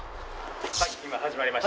はい今始まりました。